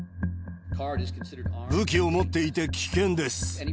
武器を持っていて危険です。